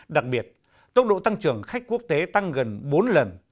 đặc biệt tốc độ tăng trưởng khách quốc tế tăng gần bốn lần